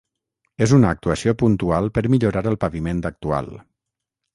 Es una actuació puntual per millorar el paviment actual.